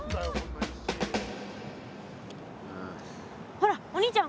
ほらお兄ちゃん